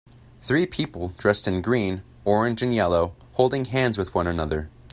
Three people, dressed in green, orange, and yellow, holding hands with one another.